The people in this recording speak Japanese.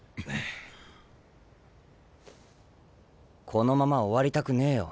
このまま終わりたくねえよ